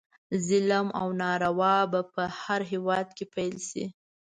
ظلم او ناروا به په هر هیواد کې پیل شي.